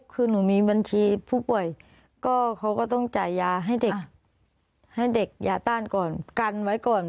คือหนูมีบัญชีผู้ป่วยก็เขาก็ต้องจ่ายยาให้เด็กให้เด็กยาต้านก่อนกันไว้ก่อน